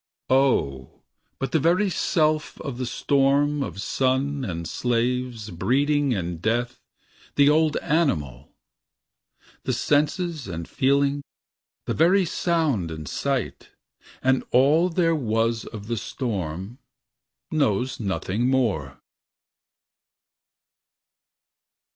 Oh, but the very self of the storm Of sun and slaves, breeding and death. The old animal— The senses and feeling, the very sound And sight, and all there was of the storm— Knows nothing more